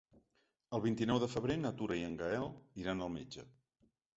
El vint-i-nou de febrer na Tura i en Gaël iran al metge.